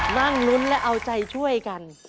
นั่งลุ้นและเอาใจช่วยกัน